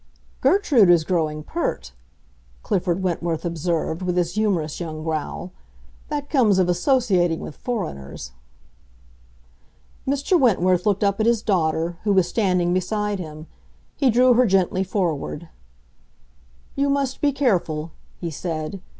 "Gertrude is growing pert," Clifford Wentworth observed, with his humorous young growl. "That comes of associating with foreigners." Mr. Wentworth looked up at his daughter, who was standing beside him; he drew her gently forward. "You must be careful," he said.